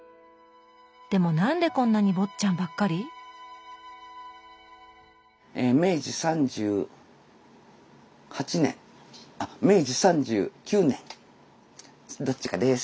でもなんでこんなに「坊っちゃん」ばっかり？え明治３８年あっ明治３９年どっちかです。